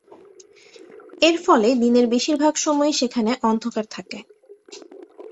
এরফলে দিনের বেশিরভাগ সময়ই সেখানে অন্ধকার থাকে।